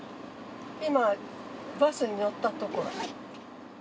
今バスに乗ったところ。